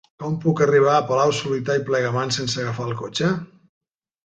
Com puc arribar a Palau-solità i Plegamans sense agafar el cotxe?